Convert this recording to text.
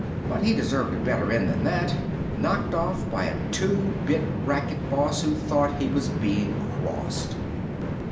But he deserved a better end than that. Knocked off by a two bit racket boss who thought he was being crossed.